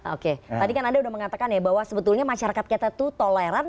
oke tadi kan anda sudah mengatakan ya bahwa sebetulnya masyarakat kita itu toleran